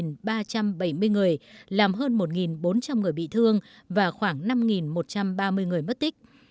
một ba trăm bảy mươi người làm hơn một bốn trăm linh người bị thương và khoảng năm một trăm ba mươi người mất tích